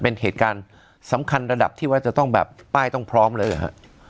เป็นเหตุการณ์สำคัญระดับที่ว่าจะต้องแบบป้ายต้องพร้อมเลยเหรอฮะ